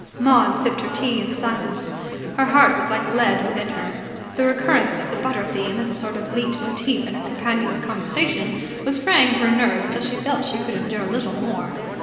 Maud sipped her tea in silence. Her heart was like lead within her. The recurrence of the butter theme as a sort of leit motif in her companion's conversation was fraying her nerves till she felt she could endure little more.